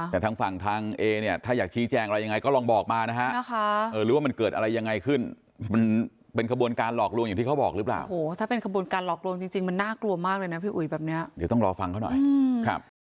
มันน่าจะเป็นภัยสังคมมากครับ